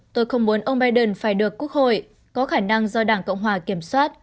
tôi không muốn ông biden phải được quốc hội có khả năng do đảng cộng hòa kiểm soát